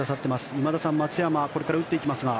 今田さん、松山はこれから打っていきますが。